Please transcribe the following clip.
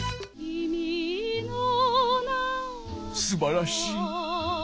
すばらしい。